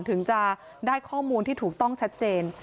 ถึงจะได้ข้อมูลที่ถูกต้องชัดเจน